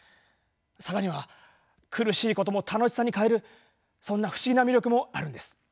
坂には苦しいことも楽しさに変えるそんな不思議な魅力もあるんです。